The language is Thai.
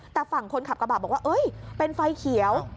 แต่ฝั่งคนขับกระบะบอกว่าเป็นไฟเขียว